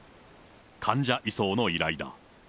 患者移送の依頼だ。